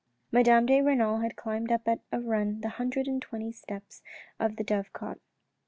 Madame de Renal had climbed up at a run the hundred and twenty steps of the dovecot.